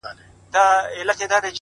ژړا مي وژني د ژړا اوبو ته اور اچوي.!